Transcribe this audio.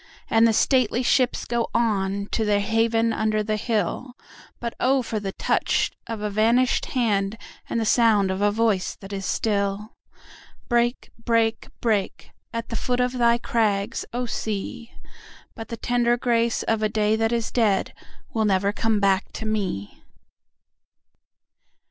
And the stately ships go onTo their haven under the hill; But O for the touch of a vanish'd hand, And the sound of a voice that is still! Break, break, break, At the foot of thy crags, O Sea! But the tender grace of a day that is deadWill never come back to me.